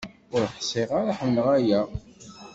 Ur ḥṣiɣ ara ḥemleɣ aya.